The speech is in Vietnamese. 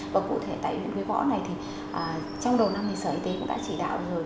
và cụ thể tại huyện quế võ này trong đầu năm sở y tế cũng đã chỉ đạo rồi